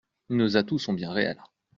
Nos atouts sont bien réels.